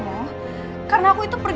masa nggak di hotel useless